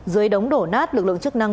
dưới đống đổ nát lực lượng chức năng